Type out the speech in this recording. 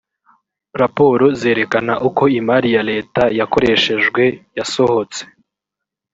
raporo zerekana uko imari ya leta yakoreshwejwe yasohotse